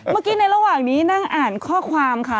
ในระหว่างนี้นั่งอ่านข้อความค่ะ